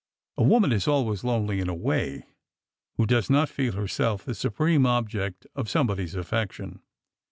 A woman is al ways lonely, in a way, who does not feel herself the su preme object of somebody's affection.